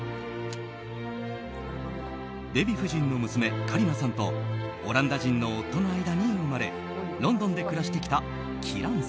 デヴィ夫人の娘カリナさんとオランダ人の夫の間に生まれロンドンで暮らしてきたキラン